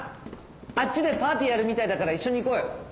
あっちでパーティーやるみたいだから一緒に行こうよ。